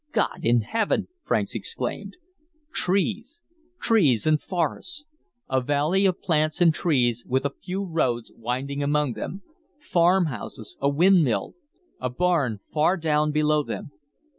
"God in heaven!" Franks exclaimed. Trees, trees and forests. A valley of plants and trees, with a few roads winding among them. Farmhouses. A windmill. A barn, far down below them.